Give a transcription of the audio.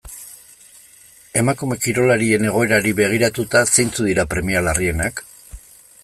Emakume kirolarien egoerari begiratuta, zeintzuk dira premia larrienak?